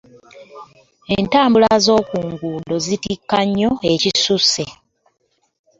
Entambula zokunguudo zittika nnyo ekisusse.